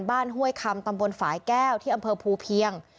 ห้วยคำตำบลฝ่ายแก้วที่อำเภอภูเพียง